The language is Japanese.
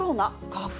花粉？